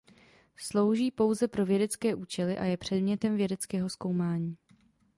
Slouží pouze pro vědecké účely a je předmětem vědeckého zkoumání.